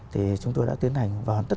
thì chúng tôi đã tiến hành và hoàn tất